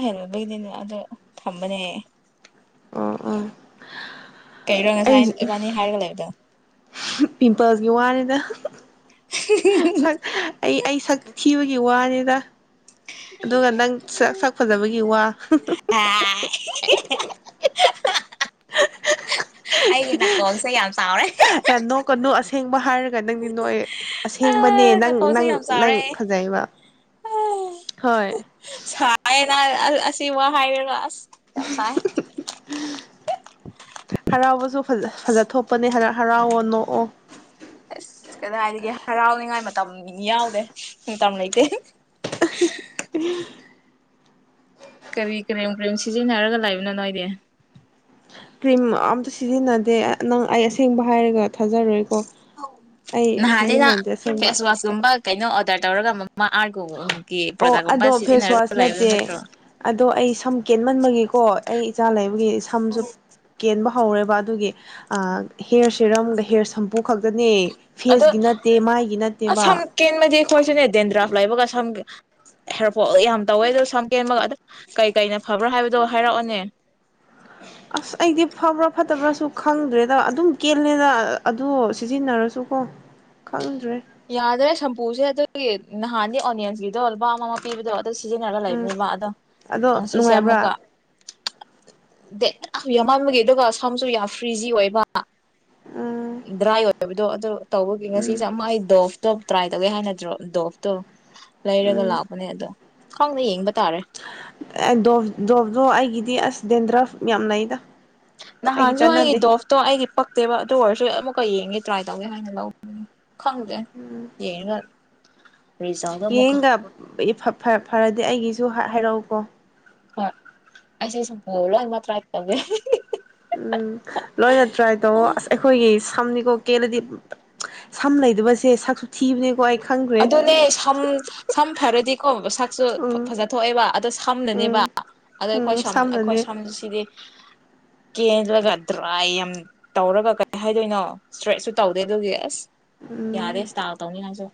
ꯍꯕꯅꯤ ꯑꯗꯣ ꯊꯝꯕꯅꯦ ꯎꯝ ꯎꯝ ꯀꯩꯔꯣ ꯉꯁꯥꯏ ꯏꯕꯥꯅꯤ ꯍꯥꯏꯔꯒ ꯂꯩꯕꯗꯣ ꯄꯤꯝꯄꯜꯁꯀꯤ ꯋꯥꯅꯤꯗ ꯁꯛ ꯑꯩ ꯑꯩ ꯁꯛ ꯈꯤꯕꯒꯤ ꯋꯥꯅꯤꯗ ꯑꯗꯨꯒ ꯅꯪ ꯁꯛ ꯐꯖꯕꯒꯤ ꯋꯥ ꯑꯩꯒꯤ ꯑꯩꯒꯤ ꯅ ꯀꯣꯡꯁꯦ ꯌꯥꯝꯅ ꯆꯥꯎꯔꯦ ꯊꯦꯡꯕ ꯍꯥꯏꯔꯒ ꯅꯪꯗꯤ ꯅꯣꯛꯑꯦ ꯑꯁꯦꯡꯕꯅꯦ ꯅꯪ ꯅꯀꯣꯡꯁꯦ ꯅꯪ ꯌꯥꯝ ꯅꯪ ꯆꯥꯎꯔꯦ ꯐꯖꯩꯕ ꯍꯣꯏ ꯑꯁꯤꯕ ꯍꯥꯏꯔꯒ ꯑꯁ ꯌꯥꯝ ꯁꯥꯢ ꯗꯣ ꯐ ꯐꯖ ꯊꯣꯛꯄꯅꯦ ꯍꯔ ꯍꯔꯥꯎꯑꯣ ꯅꯣꯛꯑꯣ ꯑꯁ ꯀꯗꯥꯢꯗꯒꯤ ꯍꯔꯥꯎꯅꯤꯉꯥꯏ ꯃꯇꯝ ꯒꯤꯗꯤ ꯌꯥꯎꯗꯦ ꯃꯇꯝ ꯂꯩꯇꯦ ꯀꯔꯤ ꯀ꯭ꯔꯤꯝ ꯀ꯭ꯔꯤꯝ ꯁꯤꯖꯤꯟꯅꯔꯒ ꯂꯩꯥꯕꯅꯣ ꯅꯣꯏꯗꯤ ꯀ꯭ꯔꯤꯝ ꯑꯝꯇ ꯁꯤꯖꯤꯟꯅꯗꯦ ꯅꯪ ꯑꯩ ꯑꯁꯦꯡꯕ ꯍꯥꯏꯔꯒ ꯊꯥꯖꯔꯣꯏꯀꯣ ꯑꯩ ꯅꯍꯥꯅꯦꯅ ꯁꯤꯖꯤꯟꯅꯗꯦ ꯑꯁꯦꯡꯕ ꯐꯦꯁ ꯋꯥꯁ ꯀꯨꯝꯕ ꯀꯩꯅꯣ ꯑꯣꯔꯗꯔ ꯇꯧꯔꯒ ꯃꯥꯃꯥ ꯒꯨ ꯎꯝ ꯑꯣ ꯑꯗꯣ ꯐꯦꯁ ꯋꯥꯁ ꯅꯠꯇꯦ ꯑꯗꯣ ꯑꯩ ꯁꯝ ꯀꯦꯟꯃꯟꯕꯒꯤ ꯀꯣ ꯑꯩ ꯏꯆꯥ ꯂꯩꯕꯒꯤ ꯁꯝꯁꯨ ꯀꯦꯟꯕ ꯍꯧꯔꯦꯕ ꯑꯗꯨꯒꯤ ꯑ ꯍꯦꯌꯔ ꯁꯦꯔꯝꯒ ꯍꯦꯌꯔ ꯁꯝꯄꯨ ꯈꯛꯇꯅꯦ ꯑꯗꯣ ꯐꯦꯁꯀꯤ ꯅꯠꯇꯦ ꯃꯥꯢꯒꯤ ꯑꯁ ꯅꯠꯇꯦꯕ ꯁꯝ ꯀꯦꯟꯕꯗꯤ ꯑꯩꯈꯣꯏꯁꯨꯅꯦ ꯗꯦꯟꯗ꯭ꯔꯥꯐ ꯂꯩꯕꯒ ꯁꯝ ꯍꯦꯔꯄꯣ ꯌꯥꯝ ꯇꯧꯋꯦ ꯑꯗꯨ ꯁꯝ ꯀꯦꯟꯕꯒ ꯀꯩ ꯀꯩꯅ ꯐꯕ꯭ꯔꯥ ꯍꯥꯏꯕꯗꯣ ꯍꯥꯏꯔꯛꯑꯣꯅꯦ ꯑꯁ ꯑꯩꯗꯤ ꯐꯕ꯭ꯔꯥ ꯐꯠꯇꯕ꯭ꯔꯥꯁꯨ ꯈꯪꯗ꯭ꯔꯦꯗ ꯑꯗꯨꯝ ꯀꯦꯜꯂꯦꯅ ꯑꯗꯨ ꯁꯤꯖꯤꯟꯅꯔꯁꯨ ꯀꯣ ꯈꯪꯗ꯭ꯔꯦ ꯌꯥꯗ꯭ꯔꯦ ꯁꯝꯄꯨꯁꯦ ꯑꯗꯨꯒꯤ ꯅꯍꯥꯟꯒꯤ ꯑꯣꯅꯤꯌꯟꯁꯒꯤꯗꯣ ꯑꯣꯜꯄꯥ ꯑꯃ ꯄꯤꯕꯗꯣ ꯑꯗꯨ ꯁꯤꯖꯤꯟꯅꯔꯒ ꯎꯝ ꯂꯩꯕꯅꯦꯕ ꯑꯗꯣ ꯑꯗꯣ ꯉ ꯁꯤꯁꯦ ꯅꯨꯡꯉꯥꯏꯕ꯭ꯔꯥ ꯑꯃꯨꯛꯀ ꯗꯦ ꯌꯥꯝ ꯃꯥꯟꯕꯒꯤ ꯑꯗꯨꯒ ꯁꯝꯁꯨ ꯌꯥꯝ ꯐ꯭ꯔꯤꯖꯤ ꯑꯣꯏꯕ ꯎꯝ ꯗ꯭ꯔꯥꯏ ꯑꯣꯏꯕꯗꯣ ꯑꯗꯣ ꯇꯧꯕꯒꯤ ꯎꯝ ꯉꯁꯤꯁꯨ ꯃꯣꯢ ꯐꯇꯣꯞ ꯇ꯭ꯔꯥꯏ ꯇꯧꯒꯦ ꯍꯥꯏꯅ꯭ꯔꯣ ꯗꯣꯞꯇꯣ ꯂꯩꯔꯒ ꯂꯥꯛꯄꯅꯦ ꯑꯗꯣ ꯍꯅꯦ ꯌꯦꯡ ꯗꯣ ꯗꯣꯚꯗꯣ ꯑꯩꯒꯤ ꯗꯤ ꯑꯁ ꯗꯦꯟꯗ꯭ꯔꯥ ꯌꯥꯝ ꯂꯩꯗ ꯅꯍꯥꯟꯁꯨ ꯑꯩꯒꯤ ꯗꯣꯐꯇꯣ ꯑꯩꯒꯤ ꯄꯛꯇꯦꯕ ꯑꯗꯨ ꯑꯣꯏꯔꯁꯨꯨ ꯀ ꯌꯦꯡꯒꯦ ꯇ꯭ꯔꯥꯏ ꯇꯧꯒꯦ ꯍꯥꯏꯅ ꯂꯧꯧꯕꯅꯦ ꯈꯪꯗꯦ ꯌꯦ ꯃꯔ ꯌꯦꯡꯒ ꯐꯔꯗꯤ ꯑꯩꯒꯤ ꯁꯨ ꯍꯥꯏꯔꯛꯎꯀꯣ ꯍ ꯑꯁ ꯁ ꯍꯣꯂ ꯑꯗꯨ ꯃꯥ ꯍꯥꯏ ꯇꯕꯦ ꯎꯝ ꯂꯣꯏꯅ ꯇ꯭ꯔꯥꯏ ꯇꯧ ꯑꯁ ꯑꯩꯈꯣꯏꯒꯤ ꯁꯝꯅꯤꯀꯣ ꯀꯦꯂꯗꯤ ꯁꯝ ꯂꯩꯗꯕꯁꯦ ꯁꯛꯁꯨ ꯊꯤꯕꯅꯦꯀꯣ ꯑꯩ ꯈꯪꯈ꯭ꯔꯦ ꯑꯗꯨꯅꯦꯝ ꯁꯝ ꯐꯔꯗꯤꯀꯣ ꯁꯛꯁꯨ ꯎꯝ ꯐꯖꯊꯣꯛꯑꯦꯕ ꯑꯗꯣ ꯁꯝꯅꯅꯦꯕ ꯎꯝ ꯑꯗꯣ ꯑꯩꯈꯣꯏ ꯎꯝ ꯑꯩꯈꯣꯏ ꯁꯝꯅꯅꯦ ꯁꯝꯁꯤꯗꯤ ꯀꯦꯟꯂꯒ ꯗ꯭ꯔꯥꯏ ꯌꯥꯝ ꯇꯧꯔꯒ ꯀꯩ ꯍꯥꯏꯗꯣꯏꯅꯣ ꯏꯁꯇ꯭ꯔꯦꯠꯁꯨ ꯇꯧꯗꯦ ꯑꯗꯨꯒꯤ ꯑꯁ ꯌꯥꯗꯦ ꯎꯝ ꯁꯇꯥ ꯇꯧꯅꯤ ꯉꯁꯨ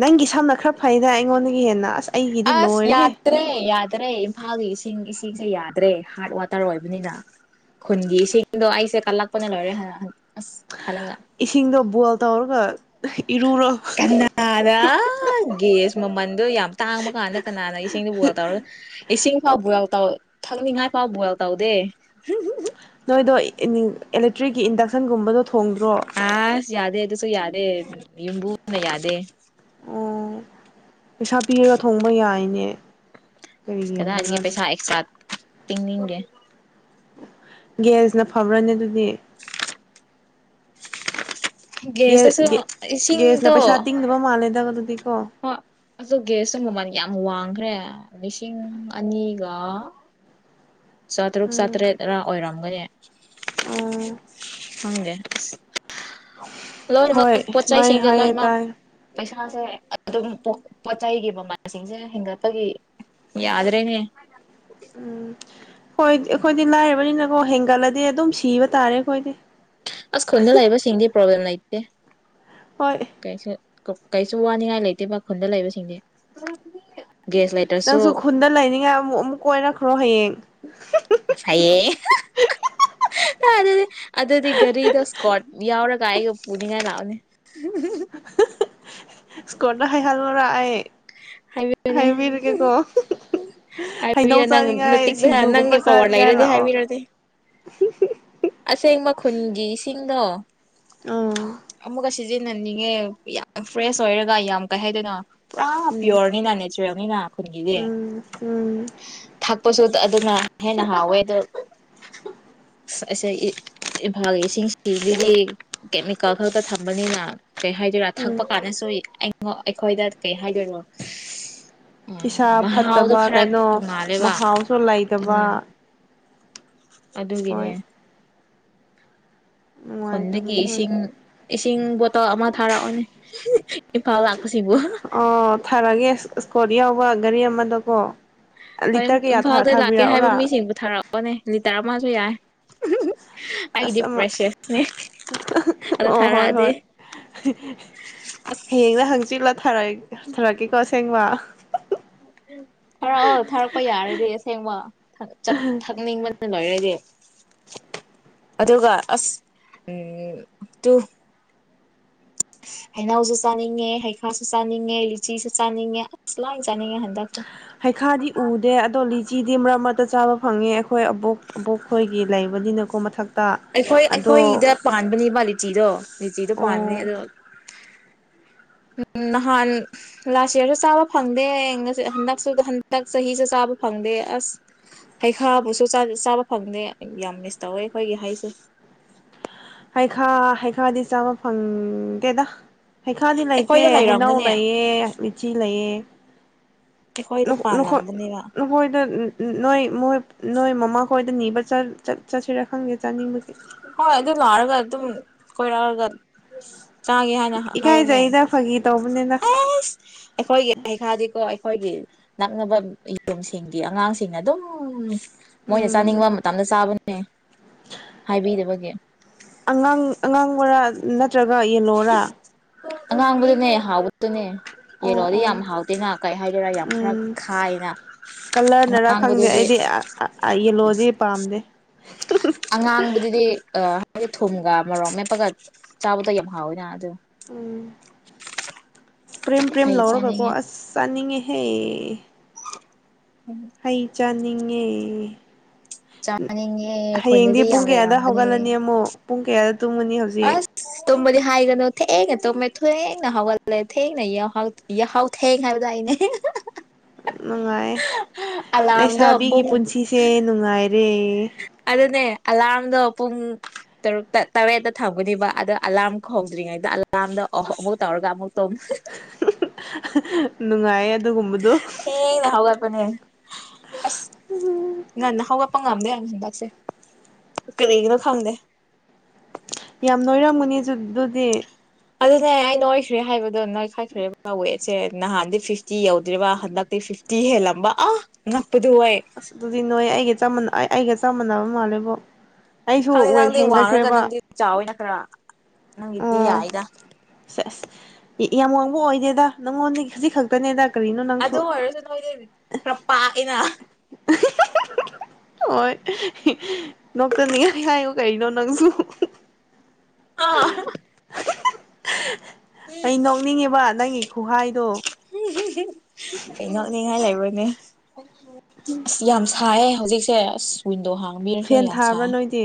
ꯅꯪꯒꯤ ꯁꯝꯅ ꯈꯔ ꯐꯩꯅ ꯑꯩꯉꯣꯟꯗꯒꯤ ꯍꯦꯟꯅ ꯑꯁ ꯑꯩꯒꯤꯗꯤ ꯑꯁ ꯂꯣꯏꯔꯦꯍꯦ ꯌꯥꯗ꯭ꯔꯦ ꯌꯥꯗ꯭ꯔꯦ ꯏꯝꯐꯥꯜꯒꯤ ꯏꯁꯤꯡ ꯏꯁꯤꯡꯁꯦ ꯌꯥꯗ꯭ꯔꯦ ꯍꯥꯔꯠ ꯋꯥꯇꯔ ꯑꯣꯏꯕꯅꯤꯅ ꯈꯨꯟꯒꯤ ꯏꯁꯤꯡꯗꯣ ꯑꯩꯁꯦ ꯀꯂꯛ ꯅ ꯂꯣꯏꯔꯦ ꯑ ꯈꯜꯒ ꯏꯁꯤꯡꯗꯣ ꯕꯣꯏꯜ [inaudible] ꯀꯅꯥꯅ ꯒꯦꯁ ꯃꯃꯟꯗꯣ ꯌꯥꯝ ꯇꯥꯡꯕ ꯀꯥꯟꯗ ꯀꯅꯥꯅ ꯏꯁꯤꯡꯗꯣ ꯕꯣꯏꯜ ꯇꯧꯔ ꯏꯁꯤꯡ ꯐꯥꯎ ꯕꯣꯏꯜ ꯇꯧꯔ ꯊꯛꯅꯤꯡꯉꯥꯏ ꯐꯥꯎꯕ ꯕꯜ ꯇꯧꯗꯦ ꯅꯣꯏꯗꯣ ꯏꯂꯦꯛꯇ꯭ꯔꯤꯛꯀꯤ ꯏꯟꯗꯛꯁꯟꯒꯨꯝꯕꯗꯣ ꯊꯣꯡꯗ꯭ꯔꯣ ꯑ ꯌꯥꯗꯗꯨꯁꯨꯣ ꯌꯥꯗ ꯌꯨꯝꯕꯨꯅ ꯌꯥꯗꯦ ꯑꯣ ꯄꯩꯁꯥ ꯄꯤꯔꯒ ꯊꯣꯡꯕ ꯌꯥꯏꯅꯦ ꯀꯔꯤꯒꯤ ꯀꯗꯥꯦ ꯌꯥꯗꯕ꯭ꯔꯥꯅꯦ ꯄꯩꯁꯥ ꯑꯦ ꯁꯥ ꯇꯤꯡꯅꯤꯡꯒꯦ ꯦꯁꯅ ꯐꯥꯕ꯭ꯔꯅꯦ ꯑꯗꯨꯗꯤ [inaudible] ꯒꯦ ꯒꯦꯁꯇꯁꯨ ꯒꯦ ꯒ꯭ꯌꯥꯁꯅ ꯏꯁꯤꯡꯗꯣ ꯄꯩꯁꯥ ꯇꯤꯡꯗꯕ ꯃꯥꯜꯂꯦꯗ ꯑꯗꯨꯗꯤꯀꯣ ꯍꯣꯏ ꯑꯗꯨ ꯒꯦꯁꯁꯨ ꯃꯃꯜ ꯌꯥꯝ ꯋꯥꯡꯈ꯭ꯔꯦ ꯃꯤꯁꯤꯡꯤꯡ ꯑꯅꯤꯒ ꯆꯥꯇꯔꯨꯛ ꯎꯝ ꯆꯥꯇ꯭ꯔꯦꯠꯔ ꯑꯣꯏꯔꯝꯒꯅꯤ ꯎꯝ ꯍꯒꯦ ꯍꯣꯏ ꯂꯣꯏꯅꯃꯛ ꯁꯨꯃꯥꯏꯅ ꯄꯣꯠꯆꯁꯤꯡꯁꯦ ꯍꯥꯏꯌꯦ ꯂꯣꯏꯃꯛ ꯇꯥꯏ ꯄꯩꯁꯥ ꯃꯥꯥꯁꯦ ꯑꯗꯨꯝ ꯄꯣꯠ ꯆꯩꯒꯤ ꯃꯃꯜꯁꯤꯡꯁꯦ ꯍꯦꯟꯒꯠꯄꯒꯤ ꯌꯥꯗ꯭ꯔꯦꯅꯦ ꯎꯝ ꯍꯣꯏ ꯑꯩꯈꯣꯏꯗꯤ ꯂꯥꯏꯔꯕꯅꯤꯅꯀꯣ ꯍꯦꯟꯒꯠꯂꯗꯤ ꯑꯗꯨꯝ ꯁꯤꯕ ꯇꯥꯔꯦ ꯑꯩꯈꯣꯏꯗꯤ ꯑꯁ ꯈꯟꯗ ꯂꯥꯛꯏꯕꯁꯤꯡꯗꯤ ꯄꯣ꯭ꯂꯦꯝ ꯂꯩꯇꯦ ꯍꯣꯏ ꯀꯩꯁꯨ ꯀꯩꯁꯨ ꯋꯥꯅꯤꯡꯉꯥꯏ ꯂꯩꯇꯦꯕ ꯈꯨꯟꯗ ꯂꯩꯕꯁꯤꯡꯗꯤ ꯒ꯭ꯌꯥꯁ ꯂꯩꯇ꯭ꯔꯁꯨ ꯅꯪꯁꯨ ꯈꯨꯟꯗ ꯂꯩꯅꯤꯡꯉꯥꯏ ꯑꯃꯨꯛ ꯑꯃꯨꯛ ꯀꯣꯏꯔꯛꯈ꯭ꯔꯣ ꯍꯌꯦꯡ ꯦ ꯑꯗꯗꯤ ꯒꯔꯤꯗ ꯁꯀꯣꯠ ꯌꯥꯎ ꯀꯥꯏ ꯎ ꯄꯨꯨꯅꯤꯒ ꯂꯅꯤ ꯁ꯭ꯀꯨꯣꯔꯗ ꯍꯥꯏꯈꯜꯂꯔꯥ ꯑꯩ ꯍꯥꯏꯕꯤꯌꯨꯅꯦ ꯍꯥꯏꯕꯤꯔꯒꯦꯀꯣ ꯍꯩꯅꯧ ꯍꯥꯏꯕꯤꯌꯨ ꯆꯥꯅꯤꯡꯉꯥꯏ ꯅꯪꯇꯤ ꯁꯤꯡꯖꯨꯒꯨꯝꯕ ꯅꯪꯒꯤ ꯄꯋꯥꯔ ꯆꯥꯅꯤꯡꯉꯥꯏ ꯂꯩꯔꯗꯤ ꯂꯥꯛꯑꯣ ꯍꯥꯏꯕꯤꯔꯗꯤ ꯑꯁꯦꯡ ꯃꯈꯨꯟꯒꯤꯁꯤꯡꯗꯣ ꯑ ꯁꯤꯖꯤꯟꯅꯟꯅꯤꯡꯉꯦ ꯌꯥꯝ ꯐ꯭ꯔꯦꯁ ꯑꯣꯏꯔꯒ ꯌꯥꯝ ꯀꯩ ꯍꯥꯏꯗꯅ ꯄꯨꯔꯥ ꯎꯝ ꯄꯤꯌꯣꯔꯅꯤꯅ ꯅꯦꯆꯔꯦꯜꯅꯤꯅ ꯈꯨꯟꯒꯤꯗꯤ ꯎꯝ ꯎꯝ ꯊꯥꯛꯄꯁꯨ ꯑꯗꯨꯅ ꯍꯦꯟꯅ ꯍꯥꯎꯋꯦꯗꯣ ꯑꯩꯁꯦ ꯏꯝꯐꯥꯜꯒꯤ ꯏꯁꯤꯡ ꯁꯤꯒꯤ ꯀꯦꯃꯤꯀꯦꯜ ꯈꯛꯇ ꯊꯝꯕꯅꯤꯅ ꯀꯩ ꯍꯥꯏꯗꯣꯏꯔꯥ ꯎꯝ ꯊꯛꯄ ꯀꯥꯟꯗꯁꯨ ꯑꯩꯈꯣꯏꯗ ꯀꯩ ꯍꯥꯏꯗꯣꯏꯔꯣ ꯏꯁꯥ ꯐꯠꯇꯕ ꯀꯩꯅꯣ ꯇꯣꯡꯉꯥꯜꯂꯦꯕ ꯃꯍꯥꯎꯁꯨ ꯂꯩꯇꯕ ꯑꯗꯨ ꯍꯣꯏ ꯑꯗꯨꯒꯤꯅꯦꯦ ꯈꯨꯟꯗꯒꯤ ꯅꯨꯡꯉꯥꯏꯇꯕꯅꯤ ꯍꯣꯏ ꯏꯁꯤꯡ ꯏꯁꯤꯡ ꯕꯣꯇꯜ ꯑꯃ ꯊꯥꯔꯛꯑꯣꯅꯦ ꯏꯝꯐꯥꯜ ꯂꯥꯛꯄꯁꯤꯡꯕꯨ ꯑꯣ ꯊꯥꯔꯒꯦ ꯀ ꯍꯕ ꯒꯥꯔꯤ ꯑꯃꯗꯀꯣ ꯍꯣꯏ ꯂꯤꯇꯔ ꯀꯌꯥ ꯏꯝꯐꯥꯜꯗ ꯂꯥꯛꯀꯦ ꯍꯥꯏꯕ ꯊꯥꯕꯤꯔꯛꯎꯔꯥ ꯃꯤꯁꯤꯡꯕꯨ ꯊꯥꯔꯛꯑꯑꯣꯅꯦ ꯂꯤꯇꯔ ꯑꯃ ꯁꯤ ꯌꯥꯏ ꯑꯩꯒꯤꯗꯤ ꯑꯁ ꯑꯃ ꯄ꯭ꯔꯦꯁꯦꯁꯅꯦ ꯑꯗꯣ ꯑꯣ ꯍꯣꯏ ꯊꯥꯔꯛꯑꯗꯤ ꯍꯣꯏ ꯑꯁ ꯍꯌꯦꯡꯅ ꯍꯪꯆꯤꯠꯂ ꯊꯥꯔꯛꯀꯦꯀꯣ꯫ ꯁꯦꯡꯕꯥ꯫ ꯊꯥꯔꯛꯑꯣ ꯊꯥꯔꯛꯄ ꯌꯥꯔꯗꯤ ꯑꯁꯦꯡꯕ ꯊꯛꯅꯤꯡꯕꯅ ꯂꯣꯏꯔꯗꯤ꯫ ꯑꯗꯨꯒ ꯑꯁ ꯎꯝ ꯇꯨ꯫ ꯍꯩꯅꯎꯁꯨ ꯆꯥꯅꯤꯡꯉꯦ ꯍꯩꯈꯥꯁꯨ ꯆꯥꯅꯤꯡꯉꯦ ꯂꯤꯆꯤꯁꯨ ꯆꯥꯅꯤꯡꯉꯦ ꯑꯁ ꯂꯣꯏ ꯆꯥꯅꯤꯡꯉꯦ ꯍꯟꯗꯛꯁꯦ ꯍꯩꯈꯥꯗꯤ ꯎꯗꯦ ꯑꯗꯣ ꯂꯤꯆꯤ ꯗꯤ ꯃ꯭ꯔꯛ ꯃ꯭ꯔꯛꯇ ꯆꯥꯕ ꯐꯪꯉꯦ꯫ ꯑꯩꯈꯣꯏ ꯑꯕꯣꯛ ꯑꯕꯣꯛ ꯈꯣꯏꯒꯤ ꯂꯩꯕꯅꯤꯅꯀꯣ ꯃꯊꯛꯇ ꯑꯩꯈꯣꯏ ꯑꯗꯣ ꯑꯩꯈꯣꯏꯗ ꯄꯥꯟꯕꯅꯦꯕ ꯂꯤꯆꯤꯗꯣ ꯂꯤꯆꯤꯗꯣ ꯑꯣ꯫ ꯎꯝ ꯅꯍꯥꯟ ꯂꯥꯁ ꯌ꯭ꯔꯁꯨ ꯆꯥꯕ ꯐꯪꯗꯦ ꯍꯟꯗꯛꯁꯨ ꯍꯟꯗꯛ ꯆꯍꯤꯁꯨ ꯆꯥꯕ ꯐꯪꯗꯦ ꯑꯁ ꯍꯩꯈꯥꯕꯨꯁꯨ ꯆꯥꯕ ꯐꯪꯗꯦ ꯌꯥꯝ ꯃꯤꯁ ꯇꯧꯋꯦ ꯑꯩꯈꯣꯏꯒꯤ ꯍꯩꯁꯦ꯫ ꯍꯩꯈꯥ ꯍꯩꯈꯥꯗꯤ ꯆꯥꯕ ꯐꯪꯗꯦꯗ꯫ ꯍꯩꯈꯥꯗꯤ ꯂꯩꯇꯦ ꯑꯩꯈꯣꯏꯗ ꯍꯩꯅꯎ ꯂꯩꯔꯝꯒꯅꯦ ꯂꯩꯌꯦ ꯂꯤꯆꯤ ꯂꯩꯌꯦ꯫ ꯑꯩꯈꯣꯏꯗ ꯅꯈꯣꯏ ꯄꯥꯜꯂꯝꯕꯅꯦꯕ ꯅꯈꯣꯏꯗ ꯅꯣꯏ ꯃꯣꯏ ꯅꯣꯏ ꯃꯃꯥ꯫ ꯍꯣꯏꯗ ꯅꯤꯕ ꯆꯠꯁꯤꯔꯥ ꯈꯪꯗꯦ ꯆꯥꯅꯤꯡꯕꯒꯤ꯫ ꯍꯣꯏ ꯑꯗꯨ ꯂꯥꯛꯑꯒ ꯑꯗꯨꯝ ꯀꯣꯏꯔꯛꯑꯒ꯫ ꯆꯥꯒꯦ ꯍꯥꯏꯅ ꯍꯥꯏꯌꯨꯅꯦ ꯏꯀꯥꯏꯖꯩꯗ ꯐꯥꯒꯤ ꯇꯧꯕꯅꯤꯅ ꯑꯦꯁ ꯑꯩꯈꯣꯏꯒꯤ ꯍꯩꯈꯥꯗꯤꯀꯣ꯫ ꯑꯩꯈꯣꯏꯒꯤ ꯅꯛꯅꯕ ꯌꯨꯝꯁꯤꯡꯒꯤ ꯑꯉꯥꯡꯁꯤꯡꯅ ꯑꯗꯨꯝ꯫ ꯃꯣꯏꯅ ꯎꯝ ꯆꯥꯅꯤꯡꯕ ꯃꯇꯝꯗ ꯆꯥꯕ꯫ [unintelligible] ꯑꯉꯥꯡ ꯑꯉꯥꯡ ꯃꯣꯔꯥ ꯅꯠ ꯌꯦꯂꯣꯔꯥ꯫ ꯑꯉꯥꯡꯕꯗꯨꯅꯦ ꯍꯥꯎꯕꯗꯨꯅꯦ꯫ ꯑꯣ ꯌꯦꯜꯂꯣꯗꯤ ꯌꯥꯝ ꯑꯣ ꯍꯥꯎꯇꯦꯅ ꯀꯩ ꯍꯥꯏꯗꯣꯏꯔꯥ ꯌꯥꯝ ꯈꯔ ꯎꯝ ꯈꯥꯏꯅ ꯀꯂꯔꯅꯔꯥ ꯈꯪꯗꯦ ꯑꯉꯥꯡꯕꯗꯨꯗꯤ꯫ ꯑꯩꯗꯤ ꯌꯦꯂꯣꯗꯤ ꯄꯥꯝꯗꯦ ꯑꯩ ꯊꯨꯝꯒ ꯃꯔꯣꯛ ꯃꯦꯞꯄꯒ ꯆꯥꯕꯗꯣ ꯌꯥꯝ ꯍꯥꯎꯋꯦꯅ ꯑꯗꯨ꯫ [unintelligible] ꯄ꯭ꯔꯦꯝ ꯄ꯭ꯔꯦꯝ ꯍꯩ ꯂꯧꯔꯒꯀꯣ ꯆꯥꯅꯤꯡꯉꯦ ꯑꯁ ꯆꯥꯅꯤꯡꯉꯦ꯫ ꯍꯩ꯫ ꯍꯩ ꯆꯥꯅꯤꯡꯉꯦ꯫ ꯆꯥꯅꯤꯡꯉꯦ ꯍꯌꯦꯡꯗꯤ ꯑꯩꯈꯣꯏꯅꯗꯤ ꯄꯨꯡ ꯌꯥꯝ ꯀꯌꯥꯗ ꯂꯩꯔꯝꯒꯅꯤ ꯍꯧꯒꯠꯂꯅꯤ ꯑꯃꯨꯛ꯫ ꯄꯨꯡ ꯀꯌꯥ ꯇꯨꯝꯃꯅꯤ ꯍꯧꯖꯤꯛ꯫ ꯑꯁ ꯇꯨꯝꯕꯗꯤ ꯍꯥꯏꯒꯅꯨ ꯊꯦꯡꯅ ꯇꯨꯝꯃꯦ ꯊꯦꯡꯅ ꯍꯥꯎꯒꯠꯂꯦ ꯊꯦꯡꯅ ꯌꯥꯍꯥꯎ ꯊꯦꯡ ꯍꯥꯏꯕꯗꯣ ꯑꯩꯅꯦ꯫ ꯅꯨꯡꯉꯥꯏ ꯑꯂꯥꯔꯝꯗꯣ ꯂꯩꯁꯥꯕꯤꯒꯤ ꯄꯨꯡ ꯄꯨꯟꯁꯤꯁꯦ ꯅꯨꯡꯉꯥꯏ ꯑꯗꯨꯅꯦ ꯑꯂꯥꯔꯝꯗꯣ꯫ ꯄꯨꯡ ꯇꯔꯨꯛꯇ ꯇꯔꯦꯠꯇ ꯊꯝꯒꯅꯤꯕ ꯑꯗꯣ ꯑꯂꯥꯔꯝ ꯍꯧꯗ꯭ꯔꯤꯉꯩꯗ ꯑꯂꯥꯔꯝꯗ ꯑꯃꯨꯛ ꯇꯧꯔꯒ ꯑꯃꯨꯛ ꯅꯨꯡꯉꯥꯏꯌꯦ ꯑꯗꯨꯒꯨꯝꯕꯗꯣ ꯊꯦꯡ ꯅꯍꯒ ꯃꯅꯦ ꯑꯁ ꯉꯥꯟꯅ ꯍꯒ ꯄꯉꯥꯝꯗ ꯌꯥꯝ ꯍꯟꯗꯥꯛꯁꯦ ꯀꯔꯤꯒꯤꯅꯣ ꯈꯪꯗꯦ ꯌꯥꯝ ꯂꯣꯏꯔꯝꯃꯨꯅꯤ ꯑꯗꯨꯗꯤ ꯑꯗꯨꯅꯦ ꯑꯩ ꯅꯣꯏꯈ꯭ꯔꯦ ꯍꯥꯏꯕꯗꯣ ꯅꯣꯏꯈꯥꯏꯈ꯭ꯔꯦꯕ ꯋꯦꯠꯁꯦ ꯅꯍꯥꯟꯗꯤ ꯐꯤꯐꯇꯤ ꯌꯧꯗ꯭ꯔꯤꯕ ꯍꯟꯗꯛꯇꯤ ꯐꯤꯐꯇꯤ ꯍꯦꯜꯂꯝꯕ ꯑꯥ ꯅꯪ ꯑꯁ ꯑꯗꯨꯗꯤ ꯅꯣꯏ ꯑꯩꯒ ꯆꯞ ꯃꯅ ꯑꯩ ꯑꯩꯒ ꯆꯞ ꯃꯥꯟꯅꯕ ꯃꯥꯜꯂꯦꯕꯣ ꯑꯩꯁꯨ ꯈꯪꯗꯦ ꯋꯦꯠ ꯅꯪꯗꯦ ꯋꯥꯡꯔꯒ ꯍꯦꯟꯒꯠꯈ꯭ꯔꯦꯕ ꯅꯪꯗꯤ ꯆꯥꯎꯋꯅ ꯑ ꯅꯪꯗꯌꯥ ꯑꯣ ꯍꯥꯏꯗ ꯁꯦ ꯑꯁ ꯌꯥꯝ ꯋꯥꯡꯕ ꯑꯣꯏꯗꯦꯗ ꯅꯪꯉꯣꯟꯗꯤ ꯍꯧꯖꯤꯛ ꯈꯛꯇꯅꯦꯗ ꯀꯔꯤꯅꯣ ꯑꯗ ꯅꯪꯁꯨ ꯍꯔꯖꯟꯗ ꯈꯔ ꯄꯥ ꯑꯩꯅ ꯍꯣꯏ ꯅꯇ ꯅꯤꯡꯉꯥꯏꯉꯥꯏꯉ ꯀꯔꯤꯅꯣ ꯅꯪꯁꯨ ꯑꯥ ꯑꯩ ꯅꯣꯛꯅꯤꯡꯉꯦꯕ ꯅꯪꯒꯤ ꯈꯨꯍꯥꯏꯗꯣ ꯏꯉꯣ ꯅꯤꯡꯉꯥꯏ ꯂꯩ ꯅꯦ ꯑꯁ ꯌꯥꯝ ꯁꯥꯏꯌꯦ ꯍꯧꯖꯤꯛ ꯀꯣ ꯍꯥ ꯐꯦꯟ ꯊꯥꯕ꯭ꯔꯥ ꯅꯣꯏꯗꯤ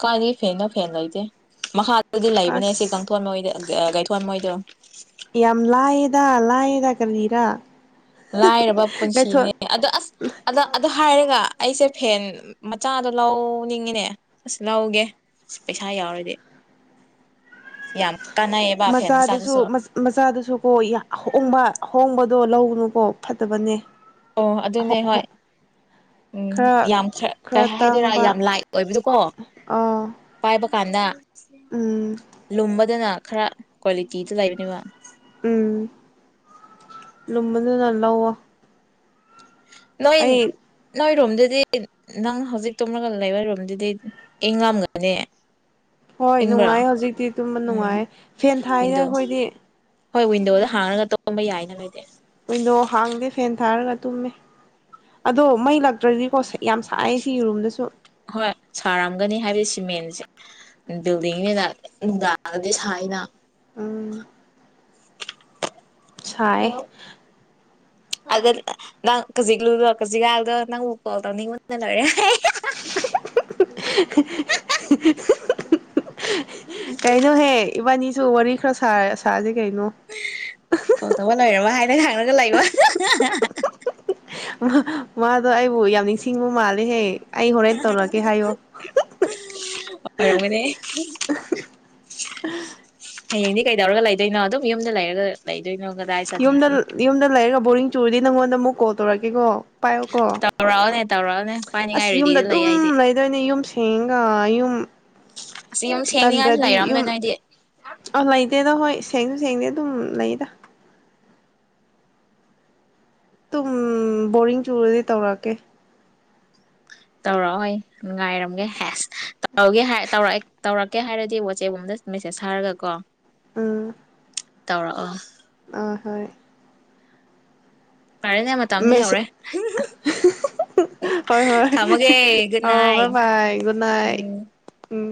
ꯀꯥꯏꯔꯤ ꯐꯦꯅ ꯐꯦꯟꯅ ꯂꯩꯇꯦ ꯃꯈꯥ ꯑꯗꯨꯗꯤ ꯂꯩꯕꯅꯦ ꯁꯤ ꯑꯁ ꯀꯥꯡꯊꯣꯟꯣꯏꯗ ꯀꯩꯊꯣꯟ ꯃꯣꯏꯗꯣ ꯌꯥꯝ ꯂꯑꯗ ꯂꯑꯗ ꯀꯗꯔ ꯂꯥꯏꯔꯕ ꯄꯨꯟꯁꯤꯅꯦ ꯑꯗ ꯑꯁ ꯑꯗ ꯑꯗ ꯍꯥꯏꯔꯒ ꯑꯩꯁꯦ ꯐꯦꯟ ꯃꯆꯥꯗꯣ ꯂꯧꯅꯤꯡꯉꯤꯅꯦ ꯑꯁ ꯂꯧꯒꯦ ꯑꯁ ꯄꯩꯁꯥ ꯌꯥꯎꯔꯗꯤ ꯌꯥꯝ ꯀꯥꯟꯅꯩꯌꯦꯕ ꯐꯦꯟ ꯃꯆꯥꯗꯨꯁꯨ ꯃꯆꯥꯗꯨꯁꯨ ꯀꯣ ꯍꯣꯡꯕ ꯍꯣꯡꯕ ꯑꯗꯣ ꯂꯧꯅꯨꯀꯣ ꯐꯠꯇꯕꯅꯦ ꯑꯣ ꯑꯗꯨꯅꯦ ꯍꯣꯏ ꯎꯝ ꯈꯔ ꯌꯥꯝ ꯀꯩ ꯈꯔ ꯍꯥꯏꯗꯣꯏꯔꯥ ꯇꯥꯡꯕ ꯌꯥꯝ ꯂꯥꯏꯠ ꯑꯣꯏꯕꯗꯨꯀꯣ ꯑꯥ ꯄꯥꯏꯕ ꯀꯥꯟꯗ ꯎꯝ ꯂꯨꯝꯝꯕꯗ ꯅ ꯈꯔ ꯀ꯭ꯋꯥꯂꯤꯇꯤꯗ ꯂꯩꯕꯅꯦꯕ ꯎꯝ ꯂꯃꯗ ꯅꯂ ꯍ ꯅꯣꯏ ꯅꯣꯏ ꯔꯣꯝꯗꯨꯗꯤ ꯅꯪꯅ ꯍꯧꯖꯤꯛ ꯇꯨꯝꯂꯒ ꯂꯩꯕꯔꯣꯝꯗꯨꯗꯤ ꯑꯩ ꯉꯝꯒꯅꯤ ꯍꯣꯏ ꯅꯨꯡꯉꯥꯏ ꯍꯧꯖꯤꯛꯇꯤ ꯑꯗꯨꯝꯕ ꯅꯨꯡꯉꯥꯏ ꯐꯦꯟ ꯊꯥꯏꯅ ꯋꯤꯟꯗꯣ ꯑꯩꯈꯣꯏꯗꯤ ꯍꯣꯏ ꯋꯤꯟꯗꯣꯗ ꯍꯥꯡꯉꯒ ꯇꯝꯕ ꯌꯥꯏꯅ ꯈꯗꯦ ꯀꯗꯣ ꯍꯥꯡꯗꯦ ꯐꯦꯟ ꯊꯥꯔꯒ ꯇꯨꯝꯃꯦ ꯑꯗꯣ ꯃꯩ ꯂꯛꯇ꯭ꯔꯗꯤꯀꯣ ꯌꯥꯝ ꯁꯥꯏ ꯁꯤ ꯌꯦꯔꯨꯝꯗꯁꯨ ꯍꯣꯏ ꯁꯥꯔꯝꯒꯅꯤ ꯍꯥꯏꯕꯗꯤ ꯁꯤꯃꯦꯟꯁꯦ ꯕꯤꯜꯗꯤꯡ ꯑꯣꯏꯅ ꯅꯨꯡꯗꯥꯡꯔꯒꯗꯤ ꯁꯥꯏꯅ ꯎꯝ ꯁꯥꯏ ꯑꯗ ꯅꯪ ꯈꯖꯤꯛꯂꯨꯗꯣ ꯀꯖꯤꯛꯀꯥꯗꯣ ꯅꯪꯕꯨꯛ ꯀꯣꯜ ꯇꯧꯅꯤꯡꯉꯣꯟꯟꯅ ꯂꯣꯏꯔꯦ ꯀꯩꯅꯣꯍꯦ ꯏꯕꯥꯅꯤ ꯔꯤꯈ꯭ꯔ ꯁꯖ ꯀꯩꯅꯩꯅꯣ ꯂꯣꯏꯔꯔꯕ ꯍꯥꯏꯅ ꯈꯪꯅꯒ ꯂꯩꯕ ꯃꯥꯗꯣ ꯑꯩꯕꯨ ꯌꯥꯝ ꯅꯤꯡꯁꯤꯡꯕ ꯃꯥꯜꯂꯦꯍꯦ ꯑꯩ ꯍꯣꯔꯦꯟ ꯇꯧꯔꯛꯀꯦ ꯍꯥꯏꯌꯣ ꯑꯣꯏꯔꯝꯒꯅꯦ ꯍꯌꯦꯡꯗꯤ ꯀꯩꯗꯧꯔꯒ ꯂꯩꯗꯣꯏꯅꯣ ꯑꯗꯨꯝ ꯌꯨꯝꯗ ꯂꯩꯔꯒ ꯂꯩꯗꯣꯏꯅꯣ ꯀꯗꯥꯏ ꯆꯠꯅꯤ ꯌꯨꯝꯗ ꯌꯨꯝꯗ ꯂꯩꯔꯒ ꯕꯣꯔꯤꯡ ꯇꯨꯔꯗꯤ ꯅꯪꯉꯣꯟꯗ ꯑꯃꯨ ꯀꯜ ꯇꯧꯔꯛꯀꯦꯀꯣ ꯄꯥꯏꯌꯣꯀꯣ ꯇꯧꯔꯛꯑꯣꯅꯦ ꯇꯧꯔꯛꯑꯣꯅꯦ ꯑꯁ ꯄꯥꯏꯅꯤꯡꯉꯥꯏ ꯌꯨꯝꯗ ꯔꯦꯗꯤꯗ ꯂꯩ ꯑꯗꯨꯝ ꯑꯩꯗꯤ ꯂꯩꯗꯣꯏꯅꯦ ꯌꯨꯝꯁꯤ ꯆꯒ ꯌꯨꯝ ꯑꯁ ꯌꯨꯝ ꯁꯦꯡꯅꯤꯡꯉꯥꯏꯁꯨ ꯄꯟꯗ꯭ꯔꯗꯤ ꯌꯨꯝ ꯂꯩꯔꯝꯗꯣꯏ ꯅꯣꯏꯗꯤ ꯑꯣꯟꯂꯥꯏꯇꯦꯗ ꯍꯣꯏ ꯁꯦꯡꯁꯨ ꯁꯦꯡꯗꯤ ꯑꯗꯨꯝ ꯂꯩꯗ ꯇꯝ ꯕꯣꯔꯤꯡ ꯆꯨꯔꯗꯤ ꯇꯧꯔꯛꯑꯀꯦ ꯇꯧꯔꯛꯑꯣ ꯍꯣꯏ ꯉꯥꯏꯔꯝꯒꯦ ꯍꯦꯁ ꯇꯧꯒꯦ ꯍꯥꯏ ꯇꯧꯔꯛꯑꯦ ꯇꯧꯔꯛꯀꯦ ꯍꯥꯏꯔꯗꯤ ꯋꯥꯆꯦꯞ ꯑꯣꯝꯗ ꯃꯦꯁꯦꯁ ꯍꯥꯏꯔꯒ ꯀꯣ ꯑ ꯇꯧꯔꯛꯑꯣ ꯐꯔꯦꯅꯦ ꯃꯇꯝꯁꯤ ꯃꯦ ꯌꯧꯔꯦ ꯍꯣꯏ ꯍꯣꯏ ꯊꯝꯃꯒꯦ ꯒꯨꯗ ꯑ ꯚꯥꯏ ꯅꯥꯏꯠ ꯕꯥꯥꯏ ꯨꯗ ꯅꯥꯏꯠ ꯎꯝ ꯎꯝ